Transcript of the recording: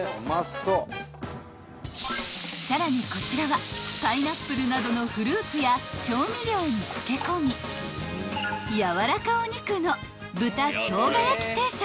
［さらにこちらはパイナップルなどのフルーツや調味料に漬け込みやわらかお肉の］